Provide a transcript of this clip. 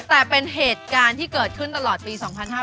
แต่เป็นเหตุการณ์ที่เกิดขึ้นตลอดปี๒๕๕๙